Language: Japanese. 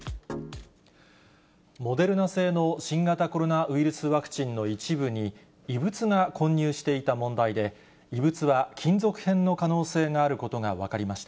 モデルナ製の新型コロナウイルスワクチンの一部に、異物が混入していた問題で、異物は金属片の可能性があることが分かりました。